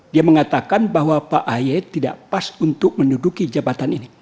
dia mengatakan bahwa pak ahy tidak pas untuk menduduki jabatan ini